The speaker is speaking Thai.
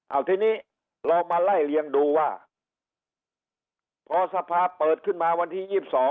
เอาทีนี้เรามาไล่เลี้ยงดูว่าพอสภาเปิดขึ้นมาวันที่๒๒